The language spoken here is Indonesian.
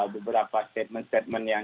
beberapa statement statement yang